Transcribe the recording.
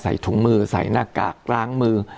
ถุงมือใส่หน้ากากล้างมือ